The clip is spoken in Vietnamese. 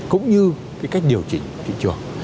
cũng như cái cách điều chỉnh thị trường